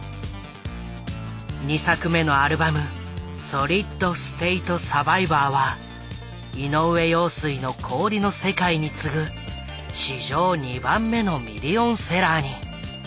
２作目のアルバム「ソリッド・ステイト・サヴァイヴァー」は井上陽水の「氷の世界」に次ぐ史上２番目のミリオンセラーに。